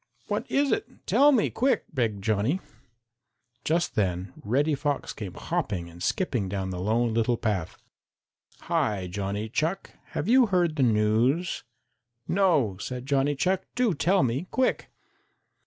"What is it? Tell me quick!" begged Johnny. Just then Reddy Fox came hopping and skipping down the Lone Little Path. "Hi, Johnny Chuck, have you heard the news?" "No," said Johnny Chuck, "do tell me quick!"